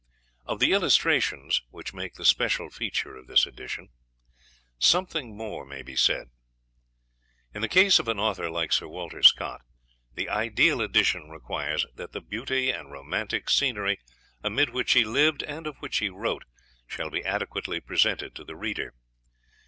Of the illustrations, which make the special feature of this edition, something more may be said. In the case of an author like Sir Walter Scott, the ideal edition requires that the beautiful and romantic scenery amid which he lived and of which he wrote shall be adequately presented to the reader.